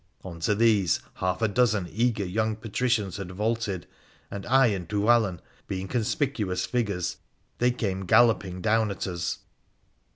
On to these half a dozen eager young patricians had vaulted, and, I and Dhuwallon being conspicuous figures, they came galloping down at us.